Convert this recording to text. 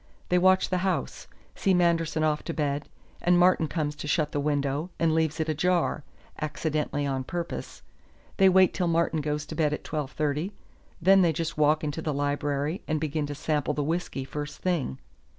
They watch the house; see Manderson off to bed; Martin comes to shut the window, and leaves it ajar accidentally on purpose. They wait till Martin goes to bed at twelve thirty; then they just walk into the library, and begin to sample the whisky first thing.